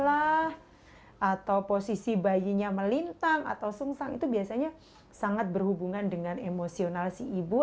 atau posisi bayinya melintang atau sungsang itu biasanya sangat berhubungan dengan emosional si ibu